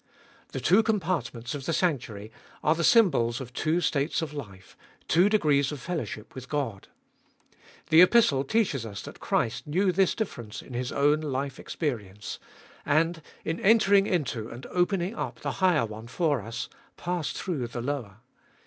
The two compartments of the sanctuary are the sym bols of two states of life, two degrees of fellowship with God. The Epistle teaches us that Christ knew this difference in His 292 cbe fboUest of ail own life experience, and, in entering into and opening up the higher one for us, passed through the lower.